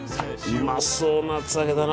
うまそうな厚揚げだな。